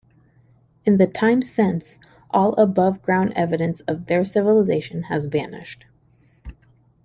In the time since all above-ground evidence of their civilization has vanished.